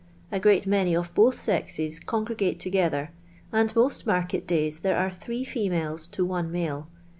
A great many of both sexes congregate together, and most market days there are three females to one male.